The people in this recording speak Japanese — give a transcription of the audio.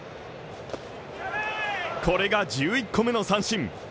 これが１１個目の三振。